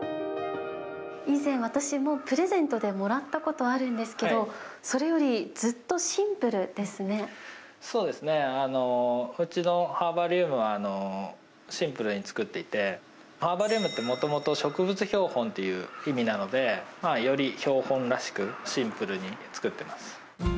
以前、私もプレゼントでもらったことあるんですけど、それよりずっとシそうですね、こっちのハーバリウムはシンプルに作っていて、ハーバリウムって、もともと植物標本っていう意味なので、より標本らしく、シンプルに作ってます。